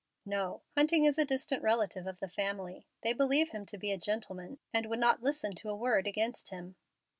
"No. Hunting is a distant relative of the family. They believe him to be a gentleman, and would not listen to a word against him."